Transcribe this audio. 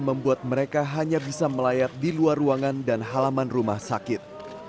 membuat mereka hanya bisa melayat di luar ruangan dan halaman rumah sakit